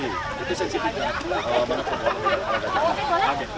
itu sensitif bagi gajah